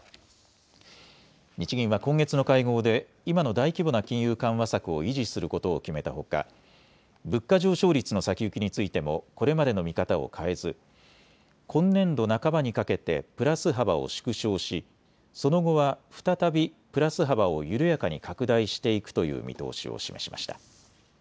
日銀は今月の会合で今の大規模な金融緩和策を維持することを決めたほか物価上昇率の先行きについてもこれまでの見方を変えず今年度半ばにかけてプラス幅を縮小し、その後は再びプラス幅を緩やかに拡大していくという見通しを示しました。